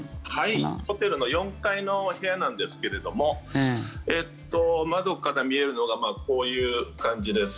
ホテルの４階の部屋なんですけど窓から見えるのがこういう感じです。